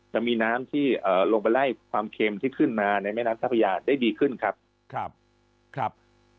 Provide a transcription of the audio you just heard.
จะมีน้ำที่ลงไปไล่ความเค็มที่ขึ้นมาในแม่น้ำเจ้าพระยาได้ดีขึ้นครับครับ